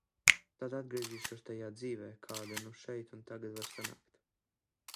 Tad atgriezīšos tajā dzīvē, kāda nu šeit un tagad var sanākt.